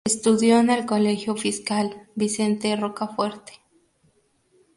Estudió en el Colegio Fiscal Vicente Rocafuerte.